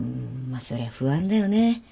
まあそりゃ不安だよね。